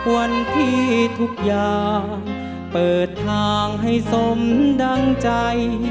วันที่ทุกอย่างเปิดทางให้สมดังใจ